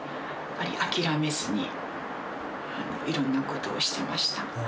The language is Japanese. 諦めずにいろんなことをしてました。